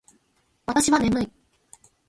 私は眠い